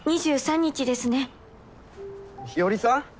日和さん？